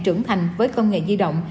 trưởng thành với công nghệ di động